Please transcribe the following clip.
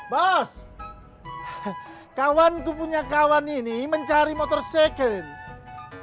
bos kawan kupunya kawan ini mencari motor second